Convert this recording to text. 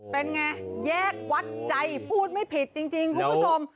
เป็นไงแยกวัดใจพูดไม่ผิดจริงคุณผู้ชม